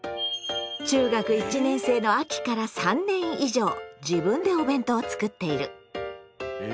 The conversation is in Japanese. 中学１年生の秋から３年以上自分でお弁当を作っている。